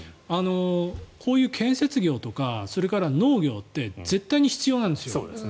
こういう建設業とかそれから農業って絶対に必要なんですよ。